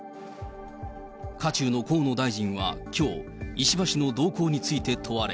渦中の河野大臣はきょう、石破氏の動向について問われ。